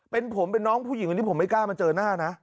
เป็นผมเป็นน้องผู้หญิงอันนี้ผมไม่กล้ามาเจอหน้านะ